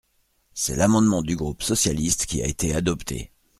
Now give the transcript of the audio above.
C’est l’amendement du groupe socialiste qui a été adopté.